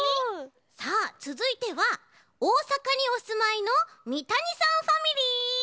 さあつづいては大阪におすまいのみたにさんファミリー！